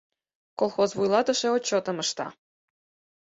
Колхоз вуйлатыше отчётым ышта: